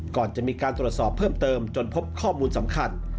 ก่อนจะมีการตรวจสอบเพิ่มเติมจนพบข้อมูลสำคัญ